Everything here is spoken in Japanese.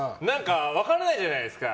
分からないじゃないですか。